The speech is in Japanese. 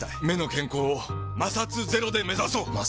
目の健康を摩擦ゼロで目指そう！